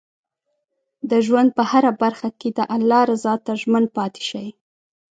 د ژوند په هره برخه کې د الله رضا ته ژمن پاتې شئ.